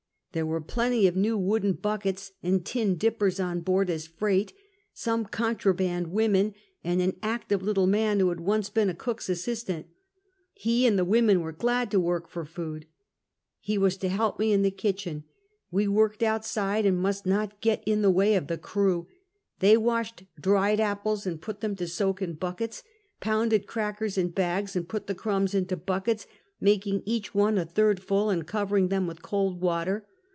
There were plenty of new wooden buckets and tin dippers on board as freight, some contraband women, and an active little man, who had once been a cook's assis tant. He and the women were glad to work for food. He was to help me in the kitchen. They worked out side, and must not get in the way of the crew. They washed dried apples and put them to soak in buckets, pounded crackers in bags and put the crumbs into buckets, making each one a third full and covering them with cold water.